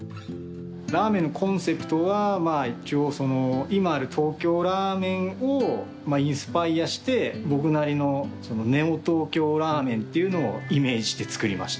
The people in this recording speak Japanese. ラーメンのコンセプトは今ある東京ラーメンをインスパイアして僕なりのネオ東京ラーメンっていうのをイメージして作りました。